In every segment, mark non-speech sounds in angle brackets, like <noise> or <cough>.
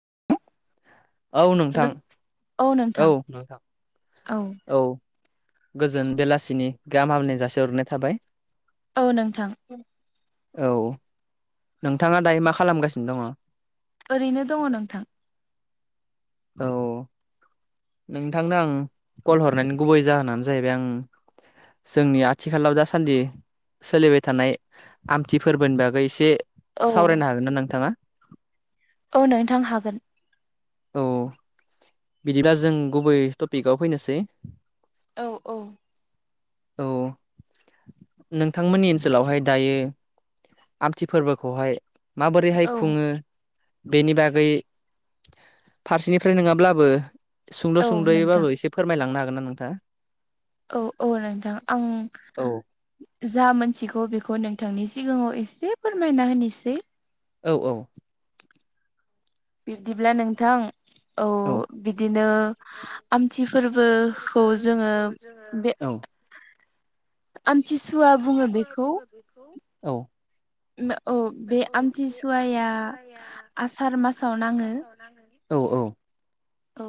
<unintelligible> औ नोंथां औ नोंथां औ गोजोन बेलासिनि गाहाम‌ हामलायनाय जासि हरग्रोनाय थाबाय। औ नोंथां। औ नोंथाङा दायो मा खालामगासिनो दङ? ओरैनो दङ नोंथां। औ नोंथांनो आं कल हरनायनि गुबै जाहोनानो जाहैबाय आं जोंनि आथिखालाव दासान्दि सोलिबाय थानाय आमथि फोरबोनि बागै एसे सावरायनो हागोन ना नोंथाङा? औ नोंथां हागोन। औ बिदिब्ला जों गुबै टपिकआव फैनोसै। औ औ औ नोंथांमोननि ओनसोलावहाय दायो आमथि फोरबोखौहाय माबोरैहाय खुङो बेनि बागै फारसेनिफ्राय नङाब्ला बो सुंद सुंदयैबाबो एसे फोरमायलांनो हागोन ना नोंथाङा? औ औ नोंथां। आं जा मोनथिगौ बेखौ नोंथांनि सिगाङाव एसे फोरमायना होनिसै। औ औ बिब्दिब्ला नोंथां औ बिदिनो आमथि फोरबोखौ जोङो औ आमथिसुवा बुङो बेखौ। औ औ बे आमथिसुवाया आसार मासाव नाङो। औ औ औ औ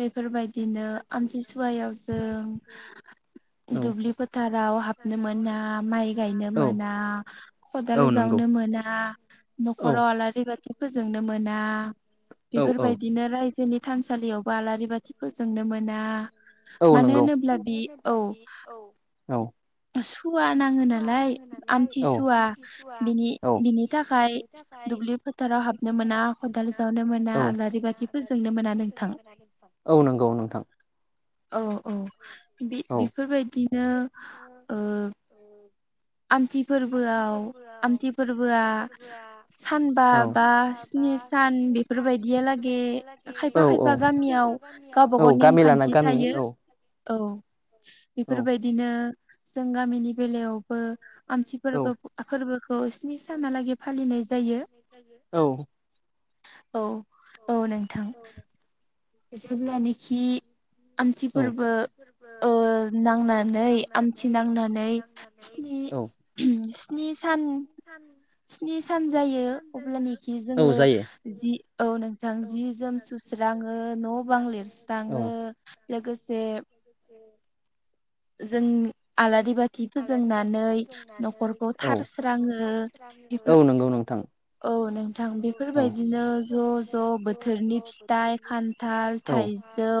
बेफोरबायदिनो आमथिसुयाव जों दुब्लि फोथाराव हाबनो मोना माइ गायनो मोना खदाल जावनो मोना नखराव आलारि बाथि फोजोंनो मोना बेफोरबायदिनो रायजोनि थानसालियावबो आलारि बाथि फोजोंनो मोना। मानो होनोब्ला बि औ सुवा नाङो नालाय आमथिसुवा बिनि- बिनि थाखाय दुब्लि फोथाराव हाबनो मोना खदाल जावनो मोना आलारि बाथि फोजोंनो मोना नोंथां। औ नोंगौ नोंथां। औ औ बे- बेफोरबायदिनो ओ <inaudible> आमथि फोरबोआव आमथि फोरबोआ सानबा बा स्नि सान बेफोरबायदियालागै खायफा खायफा गामियाव गावबा गाव नेम खान्थि थायो। औ बेफोरबायदिनो जों गामिनि बेलायाव बो आमथि फोरबो फोरबोखौ स्नि सानालागै फालिनाय जायो। औ औ औ नोंथां जेब्लानेखि आमथिफोरबो ओ नांनानै आमथि नांनानै औ स्नि सान स्नि सान जायो अब्लानोखि जोङो जि औ नोंथां जि जोम सुस्राङो न बां लिरस्राङो लोगोसे जों आलारि बाथि फो जोंनानै नखरखौ थारस्राङो बेफोर। औ नोंथां बेफोरबायदिनो ज ज बोथोरनि फिथाइ खान्थाल थाय जौ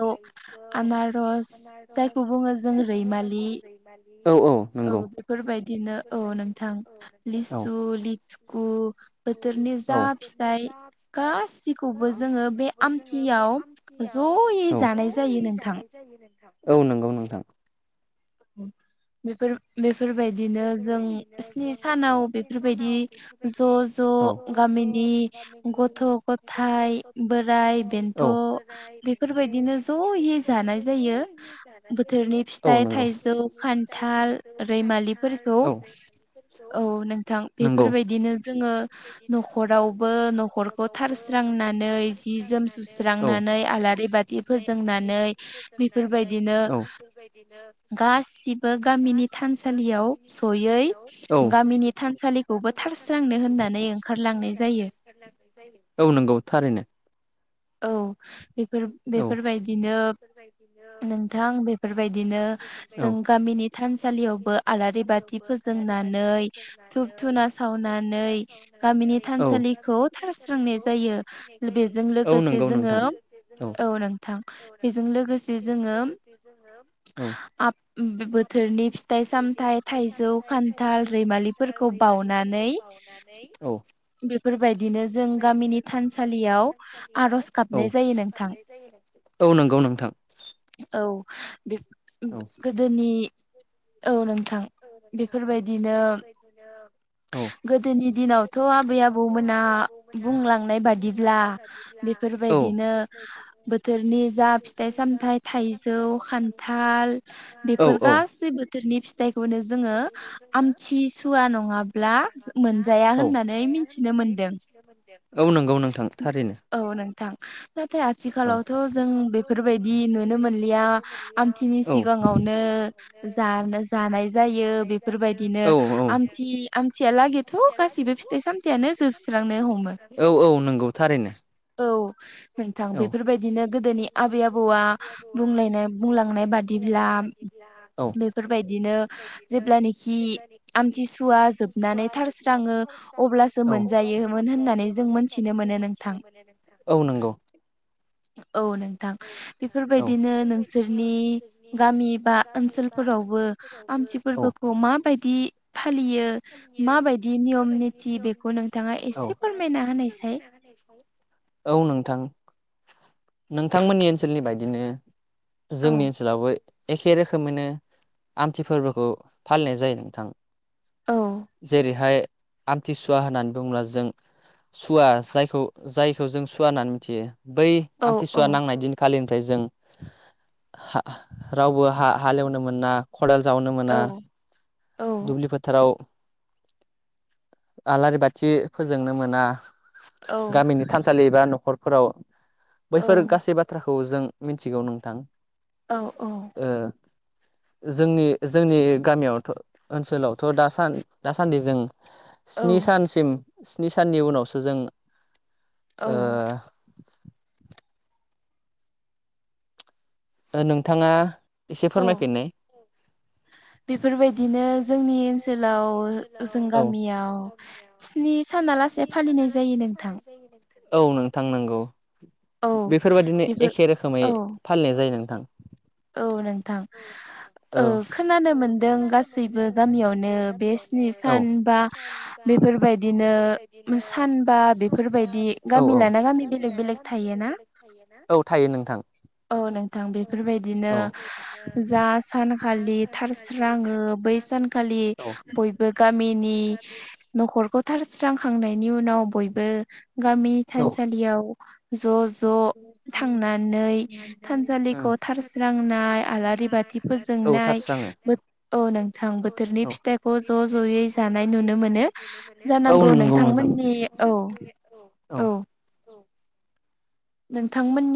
आनारस जायखौ बुङो जों औ औ औ बेफोरबायदिनो औ नोंथां लिसु लिथखु बोथोरनि जा फिथाइ गासिखौबो जोङो बे आमथियाव जयै जानाय जायो नोंथां। औ नंगौ नोंथां। बेफोर बेफोरबायदिनो जों स्नि सानाव बेफोरबायदि ज ज‌ गाब गामिनि गथ गथ बोराइ बेन्थ बेफोरबायदिनो नो ज यो जानाय जायो बोथोरनि फिथाइ। थाइजौ खान्थाल रैमालिफोरखौ औ नोंथां बेफोरबायदिनो जोङो नखरावबो नखरखौ थारस्रा स्रांनानै जि जोम सुस्रांनानै आलारि बाथि फोजोंनानै बेफोरबायदि औ बैफोर बायदिनो औ। गासिबो गामिनि थानसा सालियाव जयै गामिनि थानसालिखौबो थारस्रांनो होननानै ओंखारलांनाय जायो। औ नंगौ थारैनो। औ बेफोर बेफोरबायदिनो। नोंथां बेफोरबायदिनो जों गामिनि थानसालियावबो आलारि बाथि फोजोंनानै धुुब धुना सावनानै गामिनि थानसालिखौ स्रांनाय जायो बेजों लोगोसे जोङो। औ नोंथां बेजों लोगोसे जोङो बोथोरनि फिथाइ सामथाइ थाइजौ खान्थाल रैमालिफोरखौ बावनानै नै औ। बेफोरबायदिनो जों गामिनि थानसालियाव आरज गाबनाय जायो नोंथां। गाबनाय जायो औ नंगौ। औ बेफ गोदोनि औ नोंथां बेफोरबायदिनो गोदोनि दिनावथ आबै आबौमोना आ बुंलांनाय बादिब्ला बेफोरबायदिनो बोथोरनि जा फिथाइ सामथाइ थाइजौ खान्थाल थाल बेफोर गासै बोथोरनि फिथाइखौ नो जोङो आमथिसुवा नङाब्ला मोनजाया होननानै मिन्थिनो मोनदों। औ नोंगौ नोंथां थारैनो। नोंथां। नाथाय आथिखालावथ जों बेफोरबायदि नुनो मोनलिया आमथिनि सिगाङावनो नो जानाय जायो बेफोरबायदिनो आमथि आमथिया लागैथ आमथिया लागैथ गासै फिथाय सामथाय यानो जोबफ्रामजोबो औ औ नंगौ थारैनो। औ नोंथां बेफोरबायदिनो गोदोनि आबै आबौआ बुंलायनाय बुंलांनाय बादिब्ला बेफोरबायदिनो जेब्लानिखि आमथिसुवा जोबनानै थारस्राङो। थारस्राङो अब्लासो मोनजायोमोन होननानै जों मोनथिनो मोनो नोंथां औ नंगौ। <inaudible> औ नोंथां बेफोरबायदिनो नोंसोरनि गामि बा ओनसोलफोरावबो। आमथि फोरबोखौ माबायदि फालियो। फालियो माबायदि नियम निथि बेखौ नोंथाङा एसे फोरमायना होनाय साय औ नोंथां नोंथांमोननि ओनसोलनि बायदिनो जोंनि ओनसोलावबो। एखे रोखोमैनो आमथि फोरबोखौ फालिनाय जायो नोंथां जेरैहाय आमथिसुवा होननानै बुङोब्ला जों सुवा जायखौ जायखौ जों सुवा होननानै मिथियो बै आमथिसुवा नांनाय दिनखालि जों हा रावबो हा हालेवनो मोना खदाल जावनो मोना दुब्लि फो आव आलारि बाथि फोजोंनो मोना गामिनि थानसालि एबा नखरफोराव बैफोर गासै बाथ्राखौ खौ जों मिथिगौ नोंथां औ औ जोंनि जोंनि गामियावथ' ओनसोलावथ' दासान दासान्दि जों स्नि सानसिम स्नि साननि उनावसो जों ओ ओ नोंथाङा औ बेफोरबायदिनो जोंनि ओनसो ओनसोलाव जों गामियाव स्नि सानालासे फालिनाय जायो नोंथां। औ नोंथां नंगौ बेफोरबादिनो एखे रोखोमै फालिनाय जायो नोंथ थां। थां। ओ खोनानो मोनदों गासैबो गामियावनो बे स्नि सान बा बेफोरबायदिनो सानबा बेफोरबायदि गामिलाना गामि बेलेग बेलेग थायोना बे थयोना, औ थायो नोंथां। औ नोंथां बेफोरबायदिनो जा सानखालि थारस्राङो बै सानखालि बयबो गामिनि नि न'खरखौ थारस्रांखांनायनि उनाव बयबो बो गामिनि थानसालियाव ज' ज' ज' थांनानै थानसालिखौ फोस्रांनाय आलारि बाथि फोजोंनाय औ नोंथां बोथोरनि फिथाइखौ ज' ज'यै जानाय नुनो मोनो जानांगौ नोंथांमोननि औ औ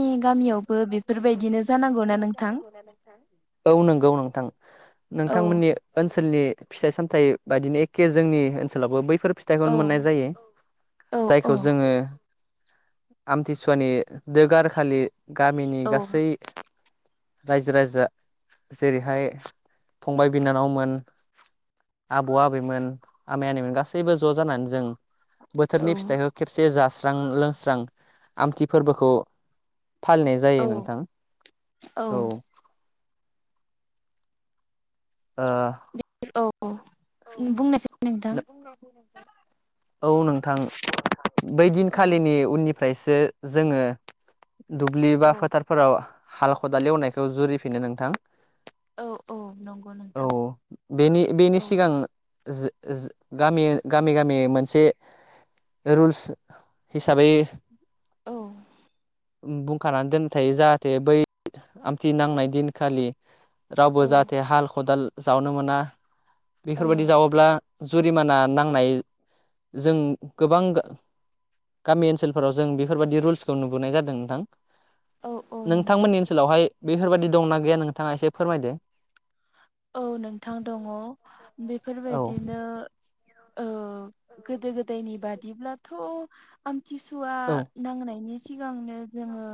नोंथांमोननि गामियावबो बेफोरबायदिनो जानांगौ ना नोंथां? औ नंगौ नं नोंथां नोंथांमोननि ओनसोलनि फिथाइ सामथाइ बायदिनो एखे जोंनि ओनसोलावबो बै बेफोर फिथाइखौनो मोननाय जायो। जायखौ जोङो आमथिसुवानि दोगार खालि गामिनि गासै रायजो राजा जेरैहाय फंबाय बिनानावमोन आबौ आबैमोन आमाय आनैमोन गासैबो ज' जानानै जों बोथोरनि फिथाइखौ खेबसे जास्रां लोंस्रां आमथि फोरबोखौ फालिनाय जायो नोंथां औ। ओ औ औ नोंथां बै दिनखालिनि उननि ओमफ्रायसो जोङो दुब्लि बा फोथारफोराव हाल खदाल एवनायखौ जुरिफिनो नोंथां। औ औ नंगौ नोंथां औ। ओ जो जो गामि गामि गामि मोनसे रुल्स हिसाबै औ बुंखानानै दोननाय थायो ।जाहाथे बै आमथिं नांनाय दिनखालि रावबो जाहाथे हाल खदाल जावनो मोना बेफोरबायदि जावोब्ला जुरिमाना नांनाय जों गोबां गामि ओनसोलफोराव जों बेफोरबायदि रुल्सखौ नुबोनाय जादों नोंथां। नोंथांमोननि ओनसोलावहाय बेफोरबायदि दंना गैया नोंथाङा एसे फोरमायदो? औ नोंथां दङ बेफोरबायदिनो ओ गोदो गोदायनि बादिब्लाथ' आं टिसुवा नांनायनि सिगांनो जोङो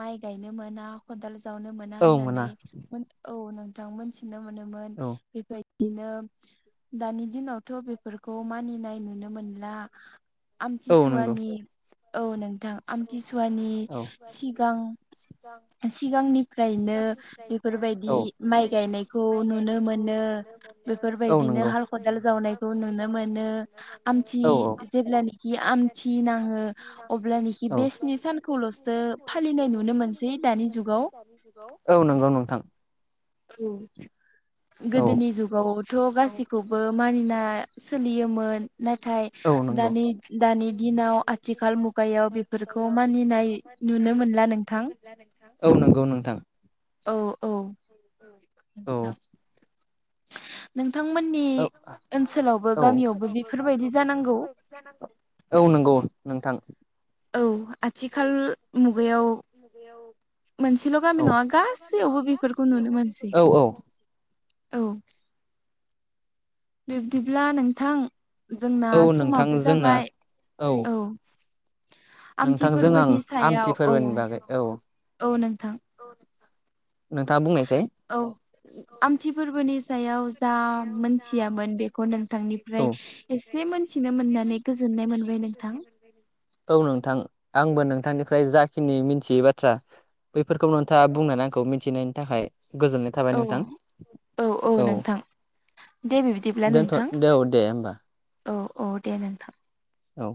माइ गायनो मोना खदाल जावनो मोना होननानै औ नोंथां मोनथिनो मोनोमोन बेबायदिनो दानि दिनावथ' बेफोरखौ मानिनाय नुनो मोनला। आमथिसुवानि औ नोंथां आमथिसुवानि सिगां सिगांनिफ्रायनो बेफोरबायदि माइ गायनायखौ नुनो मोनो बेफोरबायदिनो हाल खदाल जावनायखौ नुनो मोनो। आमथि जेब्लानखि आमथि नाङो अब्लनिखि बे स्नि सानखौ बे स्नि सानखौलसो फालिनाय नुनो मोनसै दानि जुगाव औ नंगौ नोंथां। गोदोनि जुगावथ' गासैखौबो मानिना सोलियोमोन नाथाय दानि दिनाव आथिखाल मुगायाव बेफोरखौ <unintelligible> जागोनन्ना नोंथां। औ नंगौ नोंथां औ। नोंथांमोननि औ <inaudible> औ नंगौ नोंथां। औ आथिखाल मुगायाव मोनसेल' गामि नङा गासैयावबो बेफोरखौ नुनो मोनसै । औ बिब्दिब्ला नोंथां जोंना समाबो जाबाय <inaudible> औ आमथि फोरबोनि सायाव <inaudible> औ <inaudible> औ नोंथां। औ आमथि फोरबोनि सायाव जा मोनथियामोन बेखौ नोंथांनिफ्राय एसे मोनथिनो मोननानै गोजोननाय मोनबाय । गोजोन्नाय मोनबाय औ नोंथां आंबो नोंथांनि ओमफ्राय जाखिनि मिथियै बाथ्रा बैफोरखौ नोंथाङा बुंनानौ आंखौ मिथिहोनायनि थाखाय । गोजोननाय थाबाय नोंथां <inaudible> औ दोनथ' दे औ दे होमबा औ औ दे नोंथां। औ